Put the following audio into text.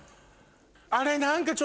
あれ。